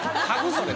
それ。